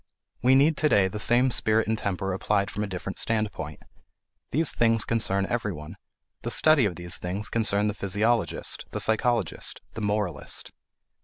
We need to day the same spirit and temper applied from a different standpoint. These things concern everyone; the study of these things concerns the physiologist, the psychologist, the moralist.